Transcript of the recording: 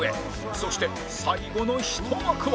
そして最後の１枠は